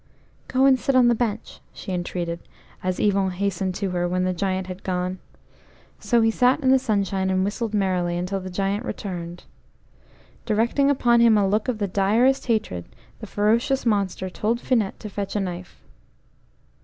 "Go and sit on the bench," she entreated, as Yvon hastened to her when the Giant had gone. So he sat in the sunshine and whistled merrily until the Giant returned. Directing upon him a look of the direst hatred, the ferocious monster told Finette to fetch a knife.